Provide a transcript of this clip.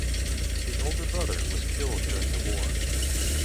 His older brother was killed during the war.